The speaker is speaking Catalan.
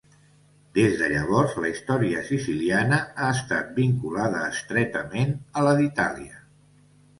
Des de llavors, la història siciliana ha estat vinculada estretament a la d'Itàlia.